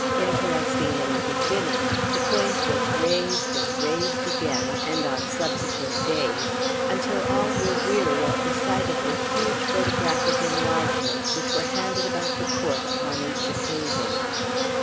Interesting in the beginning, the point was raised and raised again, and on subsequent days, until all were weary of the sight of the huge photographic enlargements, which were handed about the court upon each occasion.